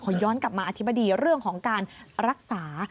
ย้อนกลับมาอธิบดีเรื่องของการรักษา